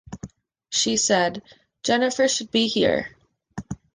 She said, 'Jennifer should be here!